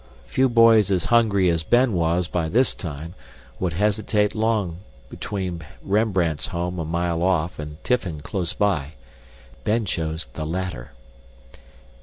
Few boys as hungry as Ben was by this time would hesitate long between Rembrandt's home a mile off and tiffin close by. Ben chose the latter.